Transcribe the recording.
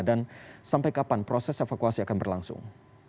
dan sampai kapan proses evakuasi akan berlangsung